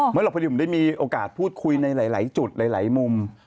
หรอกพอดีผมได้มีโอกาสพูดคุยในหลายจุดหลายมุม